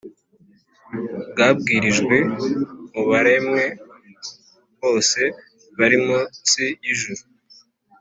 bwabwirijwe mu baremwe bose bari munsi y’ijuru